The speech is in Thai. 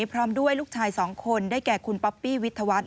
พร้อมด้วยลูกชาย๒คนได้แก่คุณป๊อปปี้วิทยาวัฒน